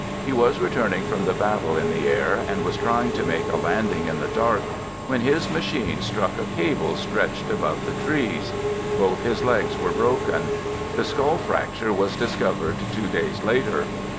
He was returning from the battle in the air, and was trying to make a landing in the dark, when his machine struck a cable stretched above the trees. Both his legs were broken. The skull frac ture was discovered two days later.